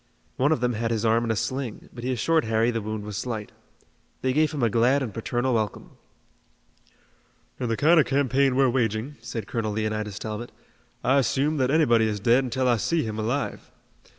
One of them had his arm in a sling, but he assured Harry the wound was slight. They gave him a glad and paternal welcome. "In the kind of campaign we're waging," said Colonel Leonidas Talbot, "I assume that anybody is dead until I see him alive.